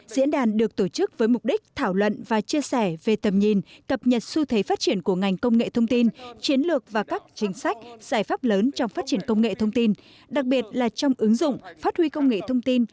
diễn đàn được tổ chức với mục đích thảo luận và chia sẻ về tầm nhìn cập nhật xu thế phát triển của ngành công nghệ thông tin chiến lược và các chính sách giải pháp lớn trong phát triển công nghệ thông tin đặc biệt là trong ứng dụng phát huy công nghệ thông tin